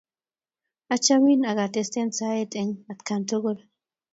Achamin ak atesten saet eng' atkan tugul.